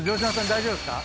大丈夫ですか？